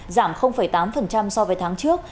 giảm tám so với tháng trước